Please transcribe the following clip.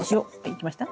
いきました？